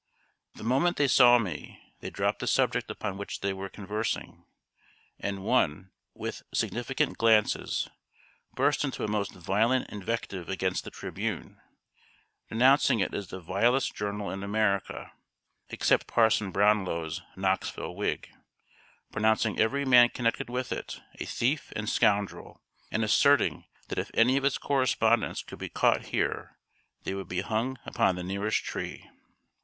The moment they saw me, they dropped the subject upon which they were conversing, and one, with significant glances, burst into a most violent invective against The Tribune, denouncing it as the vilest journal in America, except Parson Brownlow's Knoxville Whig! pronouncing every man connected with it a thief and scoundrel, and asserting that if any of its correspondents could be caught here, they would be hung upon the nearest tree.